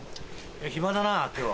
暇だな今日。